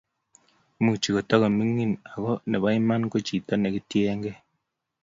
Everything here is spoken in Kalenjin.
imuchi ko takomining, ako nebo iman ko chito ne kitiengei